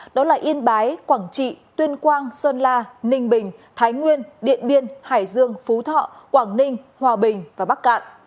đó là yên bái quảng trị tuyên quang sơn la ninh bình thái nguyên điện biên hải dương phú thọ quảng ninh hòa bình và bắc cạn